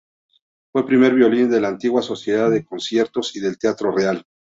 Fue primer violín de la antigua Sociedad de Conciertos y del Teatro Real.